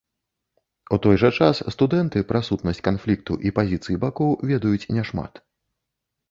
У той жа час студэнты пра сутнасць канфлікту і пазіцыі бакоў ведаюць няшмат.